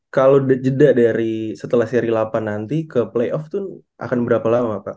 kalau jeda dari setelah seri delapan nanti ke playoff itu akan berapa lama pak